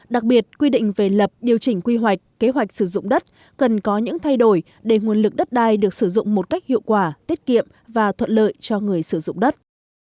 đặc biệt quy định về lập điều chỉnh quy hoạch kế hoạch sử dụng đất cần có những thay đổi để nguồn lực đất đai được sử dụng một cách hiệu quả tiết kiệm và thuận lợi cho người sử dụng đất